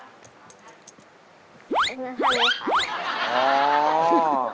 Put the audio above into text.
ก็คือท่าเลย